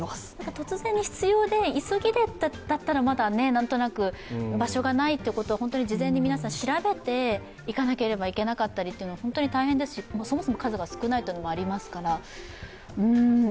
突然に必要で急ぎでだったら、何となく、場所がないということは、皆さん事前に調べて行かなければいけないというのは本当に大変ですし、そもそも数が少ないというのもありますから。